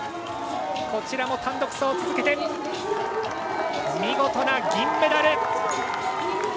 こちらも単独走を続けて見事な銀メダル！